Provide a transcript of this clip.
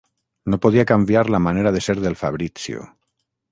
No podia canviar la manera de ser del Fabrizio.